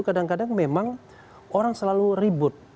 kadang kadang memang orang selalu ribut